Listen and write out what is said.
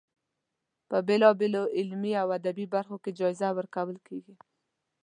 په بېلا بېلو علمي او ادبي برخو کې جایزه ورکول کیږي.